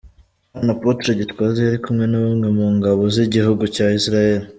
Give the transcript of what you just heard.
Hano Apotre Gitwaza yari kumwe na bamwe mu ngabo z'igihugu cya Israel.